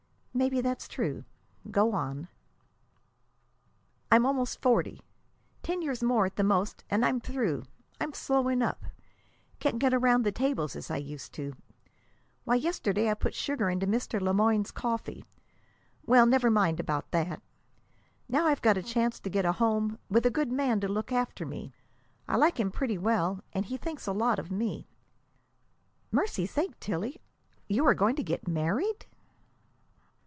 "Maybe that's true. Go on." "I'm almost forty. Ten years more at the most, and I'm through. I'm slowing up. Can't get around the tables as I used to. Why, yesterday I put sugar into Mr. Le Moyne's coffee well, never mind about that. Now I've got a chance to get a home, with a good man to look after me I like him pretty well, and he thinks a lot of me." "Mercy sake, Tillie! You are going to get married?"